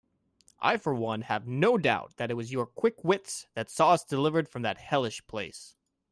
I for one have no doubt that it was your quick wits that saw us delivered from that hellish place.